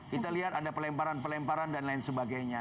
kita lihat ada pelemparan pelemparan dan lain sebagainya